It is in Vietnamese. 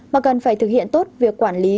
mà cần phải thực hiện tốt việc quản lý